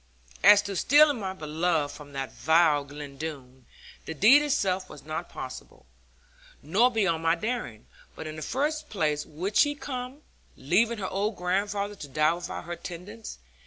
As to stealing my beloved from that vile Glen Doone, the deed itself was not impossible, nor beyond my daring; but in the first place would she come, leaving her old grandfather to die without her tendence?